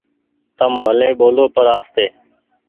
تم ڀلي ٻولو پر آستي۔